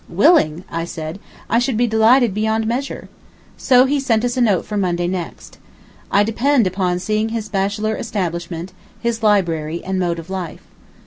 "Willing!" I said, "I should be delighted beyond measure." So he sent us a note for Monday next. I depend upon seeing his bachelor establishment, his library, and mode of life.